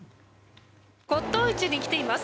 骨董市に来ています。